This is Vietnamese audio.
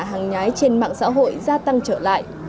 hàng nhái trên mạng xã hội gia tăng trở lại